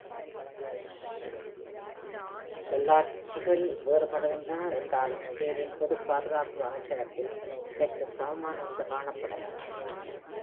சொல்லாட்சிகள் வேறுபடுகின்றன என்றாலும், இஸ்ரேலின் பொது பாதுகாப்பு அமைச்சகத்தில் இதற்கு சமமான ஒன்று காணப்படலாம்.